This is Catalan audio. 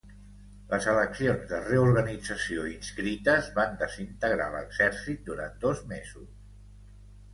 Les eleccions de reorganització inscrites van desintegrar l'exèrcit durant dos mesos.